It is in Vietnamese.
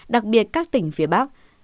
đặc biệt các tỉnh phía bắc